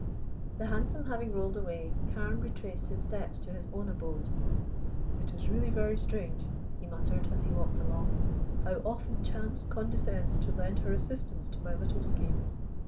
The hansom having rolled away, Carne retraced his steps to his own abode. "It is really very strange," he muttered as he walked along, "how often chance condescends to lend her assistance to my little schemes.